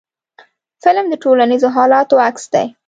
فلم د ټولنیزو حالاتو عکس دی